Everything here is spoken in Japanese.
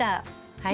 はい。